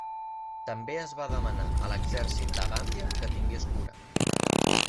També es va demanar a l'exèrcit de Gàmbia que tingués cura.